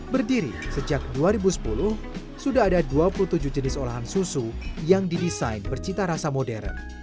berdiri sejak dua ribu sepuluh sudah ada dua puluh tujuh jenis olahan susu yang didesain bercita rasa modern